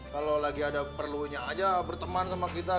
kalau lagi ada perlunya aja berteman sama kita